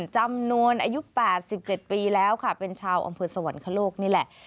จำนวนอายุ๘๗ปีแล้วค่ะเป็นชาวอำเภอสวรรคโลกนี่แหละ